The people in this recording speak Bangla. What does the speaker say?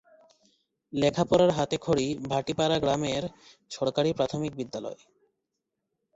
লেখা-পড়ার হাতেখড়ি ভাটি পাড়া গ্রামের সরকারি প্রাথমিক বিদ্যালয়ে।